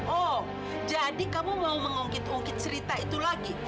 oh jadi kamu mau mengungkit ungkit cerita itu lagi